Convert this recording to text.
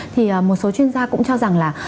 thì một số chuyên gia cũng cho rằng là